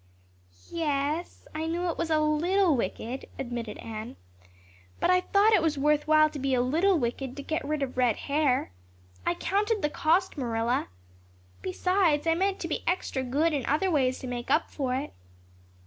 "Yes, I knew it was a little wicked," admitted Anne. "But I thought it was worth while to be a little wicked to get rid of red hair. I counted the cost, Marilla. Besides, I meant to be extra good in other ways to make up for it."